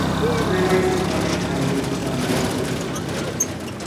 মনে হয় কিছু অনেক ভাড়ি কিছু চাপ দিচ্ছে বুকে।